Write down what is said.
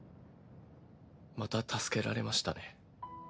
また助けられましたね。